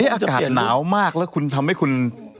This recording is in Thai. อากาศหนาวมากแล้วคุณทำให้คุณ